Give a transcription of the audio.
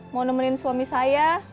mau nemenin suami saya